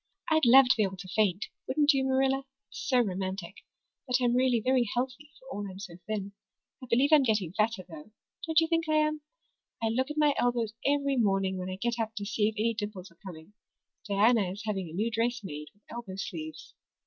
I'd love to be able to faint, wouldn't you, Marilla? It's so romantic. But I'm really very healthy for all I'm so thin. I believe I'm getting fatter, though. Don't you think I am? I look at my elbows every morning when I get up to see if any dimples are coming. Diana is having a new dress made with elbow sleeves.